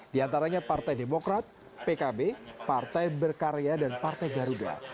diantaranya partai demokrat pkb partai berkarya dan partai garuda